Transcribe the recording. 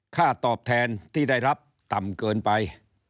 ค่าตอบแทนที่ได้รับต่ำเกินไป